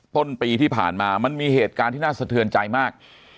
ต้นปีที่ผ่านมามันมีเหตุการณ์ที่น่าสะเทือนใจมาก